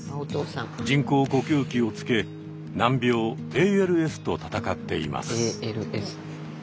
人工呼吸器をつけ難病ＡＬＳと闘っています。